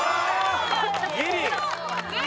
ギリ！